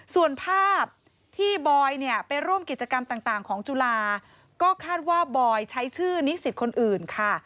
ส่วนภาพที่บอยเนี่ยไปร่วมกิจกรรมต่างของจุฬาก็คาดว่าบอยใช้ชื่อนิสิตคนอื่นค่ะ